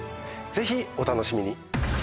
ぜひお楽しみに。